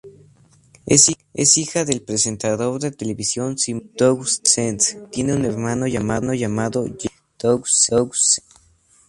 Es hija del presentador de televisión Simon Townsend, tiene un hermano llamado, Jamie Townsend.